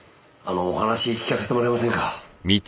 あのお話聞かせてもらえませんか？